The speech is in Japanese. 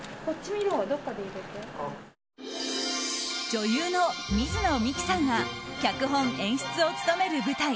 女優の水野美紀さんが脚本・演出を務める舞台